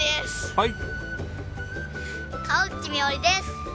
はい。